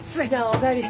お帰り。